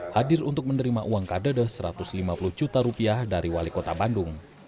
hadir untuk menerima uang kadede satu ratus lima puluh juta rupiah dari wali kota bandung